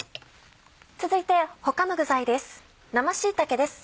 続いて他の具材です。